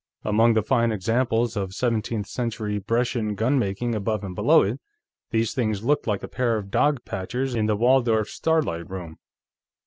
Among the fine examples of seventeenth century Brescian gunmaking above and below it, these things looked like a pair of Dogpatchers in the Waldorf's Starlight Room.